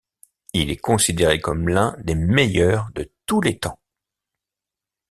Il est considéré comme l'un des meilleurs de tous les temps.